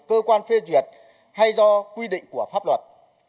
cơ quan phê duyệt hay do quy định của pháp luật